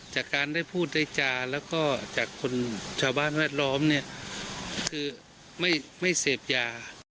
ใชพูดได้จ้าจะบ้านแวดล้อมคือไม่เสพยา